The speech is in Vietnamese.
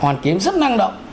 hoàn kiếm rất năng đồng